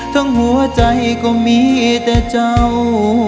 หัวใจก็มีแต่เจ้า